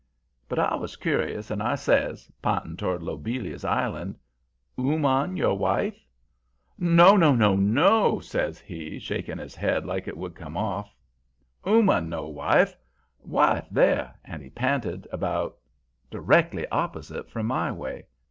"But I was curious, and I says, p'inting toward Lobelia's island: "'Ooman your wife?' "'No, no, no,' says he, shaking his head like it would come off, 'ooman no wife. Wife there,' and he p'inted about directly opposite from my way.